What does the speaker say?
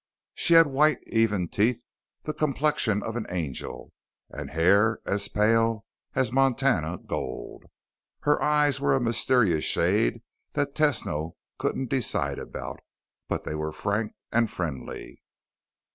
She had white, even teeth, the complexion of an angel, and hair as pale as Montana gold. Her eyes were a mysterious shade that Tesno couldn't decide about, but they were frank and friendly.